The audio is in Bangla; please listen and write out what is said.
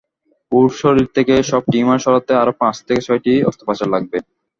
ওর শরীর থেকে সব টিউমার সরাতে আরও পাঁচ থেকে ছয়টি অস্ত্রোপচার লাগবে।